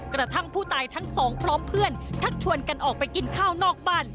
กระทั่งผู้ตายทั้งสองพร้อมเพื่อนชักชวนกันออกไปกินข้าวนอกบ้าน